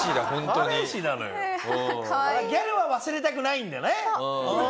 ギャルは忘れたくないんだね？